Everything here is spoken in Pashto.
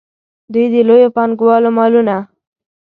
دوی د لویو پانګوالو مالونه.